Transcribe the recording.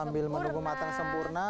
sambil menunggu matang sempurna